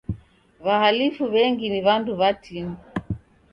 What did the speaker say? W'ahalifu w'engi ni w'andu w'atini.